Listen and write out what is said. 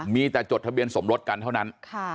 มีแต่จดทะเบียนสมรสกันเท่านั้น